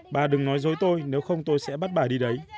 bà đừng nói dối tôi nếu không tôi sẽ bắt bài đi đấy